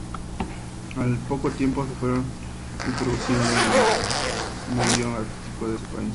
Al poco tiempo se fueron introduciendo en el medio artístico de ese país.